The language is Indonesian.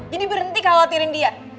jadi berhenti khawatirin dia